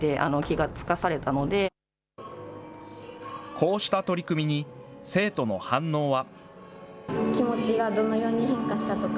こうした取り組みに、生徒の反応は。